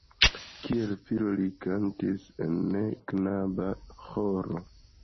Kiel filo li kantis en knaba ĥoro.